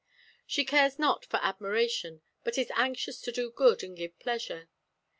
She cares not for admiration, but is anxious to do good and give pleasure.